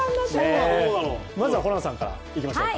まずはホランさんからいきましょうか。